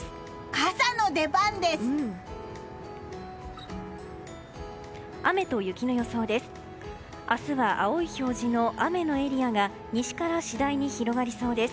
傘の出番です！